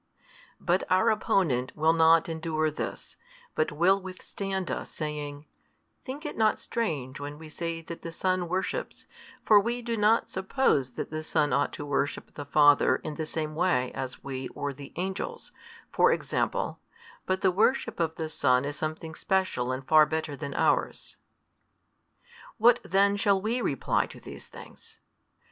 But our opponent will not endure this, but will withstand us, saying: "Think it not strange when we say that the Son worships: for we do not suppose that the Son ought to worship the Father, in the same way as we or the angels, for example: but the worship of the Son is something special and far better than ours." What then shall we reply to these things?